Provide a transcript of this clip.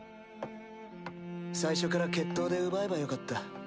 最初から決闘で奪えばよかった。